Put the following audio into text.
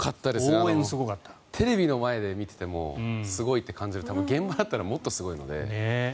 テレビの前で見ていてもすごいと感じるので現場だったらもっとすごいので。